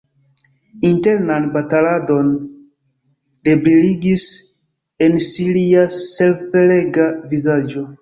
Internan bataladon rebriligis en si lia severega vizaĝo.